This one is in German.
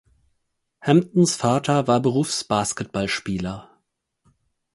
Hamptons Vater war Berufsbasketballspieler.